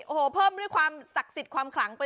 โอ้โหเพิ่มด้วยความศักดิ์สิทธิ์ความขลังไป